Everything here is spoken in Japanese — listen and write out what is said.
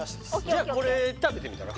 じゃあこれ食べてみたら？